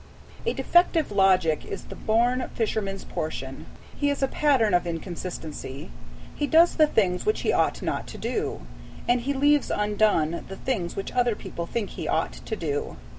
A defective logic is the born fisherman's portion. He is a pattern of inconsistency. He does the things which he ought not to do, and he leaves undone the things which other people think he ought to do.